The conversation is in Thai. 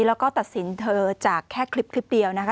แล้วก็ตัดสินเธอจากแค่คลิปเดียวนะคะ